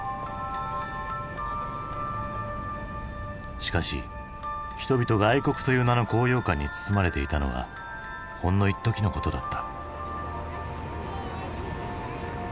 しかし人々が愛国という名の高揚感に包まれていたのはほんのいっときのことだった。